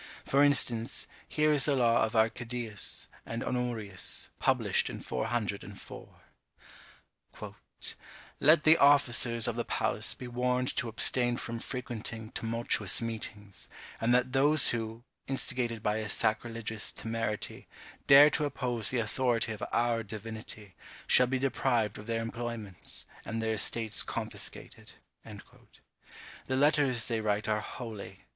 For instance, here is a law of Arcadius and Honorius, published in 404: "Let the officers of the palace be warned to abstain from frequenting tumultuous meetings; and that those who, instigated by a sacrilegious temerity, dare to oppose the authority of our divinity, shall be deprived of their employments, and their estates confiscated." The letters they write are holy.